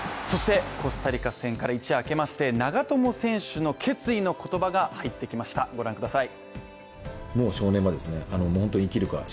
コスタリカ戦から一夜明けまして、長友選手の決意の言葉が入ってきましたご覧ください。